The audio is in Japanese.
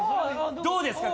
どうですか？